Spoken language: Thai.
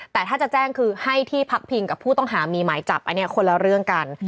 แต่ถ้าจะแจ้งคือให้ที่พักพิงกับผู้ต้องหามีหมายจับอันนี้คนละเรื่องกัน